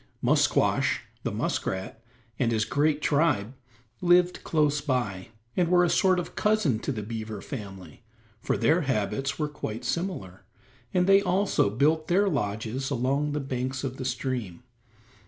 Musquash, the muskrat, and his great tribe lived close by, and were a sort of cousin to the beaver family, for their habits were quite similar, and they also built their lodges along the banks of the stream.